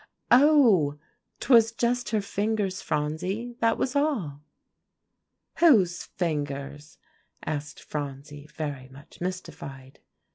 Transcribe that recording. Oh! 'twas just her fingers, Phronsie; that was all." "Whose fingers?" asked Phronsie very much mystified.